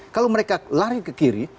kalau mereka lari ke kiri